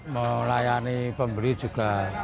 melayani pembeli juga